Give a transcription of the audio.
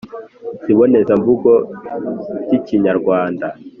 Ikibonezamvugo k’ikinyarwanda: